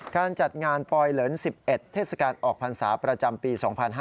การจัดงานปลอยเหลิน๑๑เทศกาลออกพรรษาประจำปี๒๕๕๙